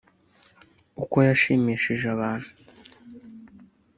uko yashimishije abantu